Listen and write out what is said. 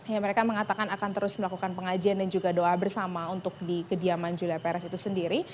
ya mereka mengatakan akan terus melakukan pengajian dan juga doa bersama untuk di kediaman julia perez itu sendiri